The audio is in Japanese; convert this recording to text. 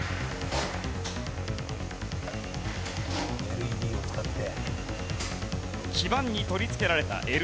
ＬＥＤを使って。